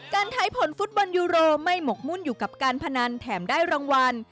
ท้ายผลฟุตบอลยูโรไม่หมกมุ่นอยู่กับการพนันแถมได้รางวัล